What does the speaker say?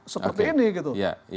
seperti ini gitu